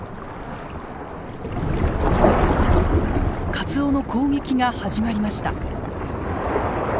カツオの攻撃が始まりました。